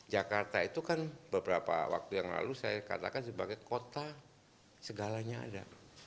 jakarta itu kan beberapa waktu yang lalu saya katakan sebagai kota segalanya ada